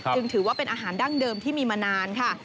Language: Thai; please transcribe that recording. ถือว่าเป็นอาหารดั้งเดิมที่มีมานานค่ะ